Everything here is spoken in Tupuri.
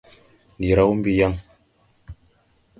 Ndi raw mbi yaŋ.